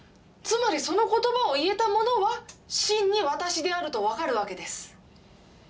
つまりその言葉を言えた者は真に私であると分かるわけです。